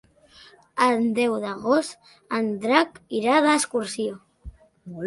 El deu d'agost en Drac irà d'excursió.